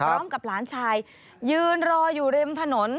พร้อมกับหลานชายยืนรออยู่ริมถนน